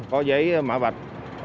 có giấy mã vạch